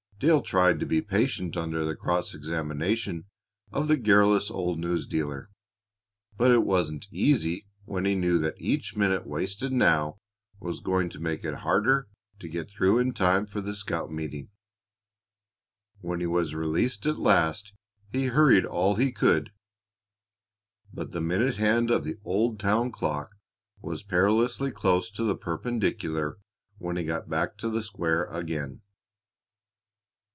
Dale tried to be patient under the cross examination of the garrulous old newsdealer, but it wasn't easy when he knew that each minute wasted now was going to make it harder to get through in time for the scout meeting. When he was released at last, he hurried all he could, but the minute hand of the old town clock was perilously close to the perpendicular when he got back to the square again.